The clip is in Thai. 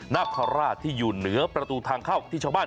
นาคาราชที่อยู่เหนือประตูทางเข้าที่ชาวบ้าน